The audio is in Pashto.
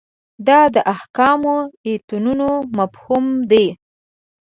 دا د احکامو ایتونو مفهوم ده.